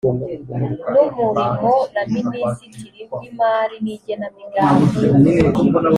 n umurimo na minisitiri w imari n igenamigambi